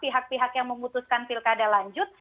pihak pihak yang memutuskan pilkada lanjut